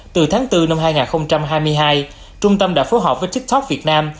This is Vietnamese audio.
từ tháng bốn năm hai nghìn hai mươi hai trung tâm đã phối hợp với tiktok việt nam